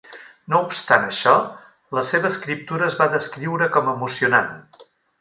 No obstant això, la seva escriptura es va descriure com emocionant.